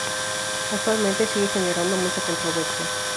Actualmente, sigue generando mucha controversia.